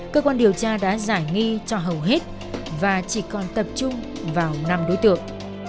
cơ quan điều tra đã giải nghi cho hầu hết và chỉ còn tập trung vào năm đối tượng